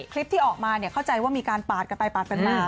คลิปที่ออกมาเข้าใจว่ามีการปาดกันไปปาดกันมา